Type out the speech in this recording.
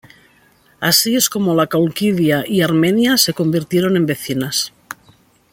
Así es como la Cólquida y Armenia se convirtieron en vecinas.